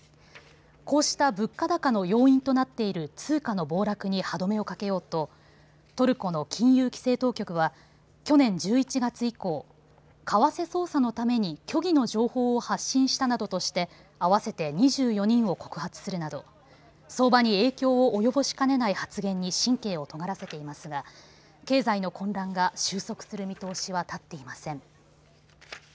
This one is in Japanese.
こうした物価高の要因となっている通貨の暴落に歯止めをかけようとトルコの金融規制当局は去年１１月以降、為替操作のために虚偽の情報を発信したなどとして合わせて２４人を告発するなど相場に影響を及ぼしかねない発言に神経をとがらせていますが経済の混乱が収束する見通しは立っていません。